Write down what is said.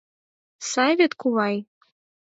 Сай вет, кувай?